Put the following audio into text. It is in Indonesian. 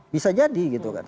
bisa jadi gitu kan